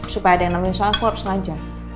supaya ada yang nangis soal aku harus ngajar